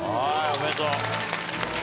おめでとう。